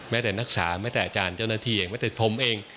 แต่นักศาแม้แต่อาจารย์เจ้าหน้าที่อย่างแม้แต่ผมเอง